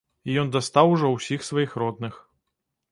І ён дастаў ужо ўсіх сваіх родных.